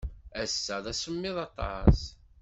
Ass-a, d asemmiḍ aṭas.